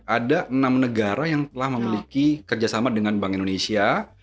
ada enam negara yang telah memiliki kerjasama dengan bank indonesia